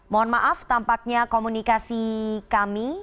mohon maaf tampaknya komunikasi kami